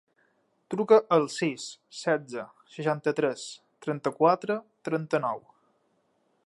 Truca al sis, setze, seixanta-tres, trenta-quatre, trenta-nou.